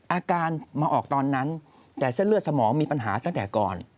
อาการมาออกตอนนั้นแต่เส้นเลือดสมองมีปัญหาตั้งแต่ก่อน